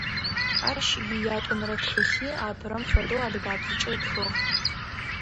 Ащ иятӏонэрэ тхылъи апэрэм фэдэу адыгабзэкӏэ ытхыгъ.